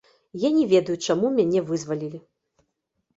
Я не ведаю, чаму мяне вызвалілі.